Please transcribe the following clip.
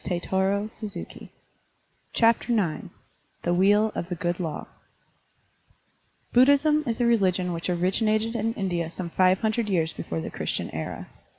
Digitized by Google THE WHEEL OF THE GOOD LAW BUDDHISM is a religion which originated in India some five hundred years before the Christian Era.